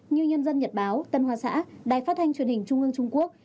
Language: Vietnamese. như nhân dân nhật báo tân hoa xã đài phát thanh truyền hình trung ương trung quốc